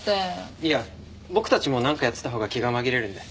いや僕たちもなんかやってたほうが気が紛れるんで。